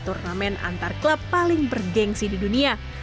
di antar antar klub paling bergensi di dunia